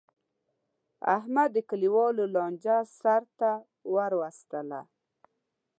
احمد د کلیوالو لانجه سرته ور وستله.